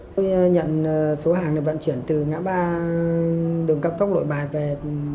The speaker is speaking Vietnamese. tôi nhận số hàng được vận chuyển từ ngã ba đường cấp tốc lội bài về